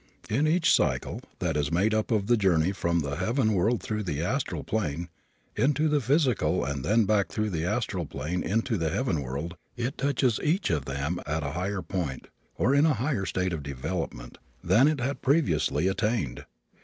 In each cycle, that is made up of the journey from the heaven world through the astral plane, into the physical and then back through the astral plane into the heaven world, it touches each of them at a higher point, or in a higher state of development, than it had previously attained.